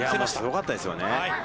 すごかったですよね。